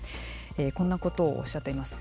こんなことをおっしゃっています。